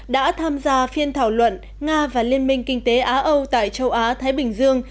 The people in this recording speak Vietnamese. đã tham gia phiên thảo luận nga và liên minh kinh tế á âu tại châu á thái bình dương